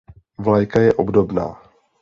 Vlajka je obdobná.